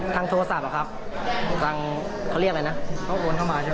แล้วผมก็เลยบอกลูกชายว่า